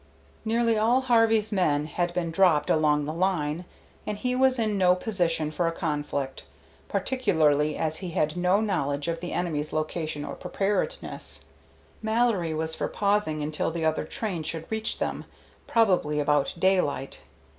Nearly all Harvey's men had been dropped along the line, and he was in no position for a conflict, particularly as he had no knowledge of the enemy's location or preparedness. Mallory was for pausing until the other train should reach them, probably about daylight.